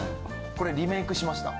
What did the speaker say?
これリメイクしました。